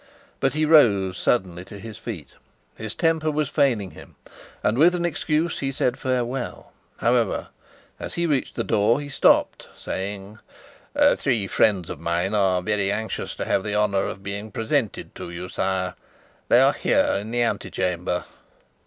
But he rose suddenly to his feet. His temper was failing him, and, with an excuse, he said farewell. However, as he reached the door he stopped, saying: "Three friends of mine are very anxious to have the honour of being presented to you, sire. They are here in the ante chamber."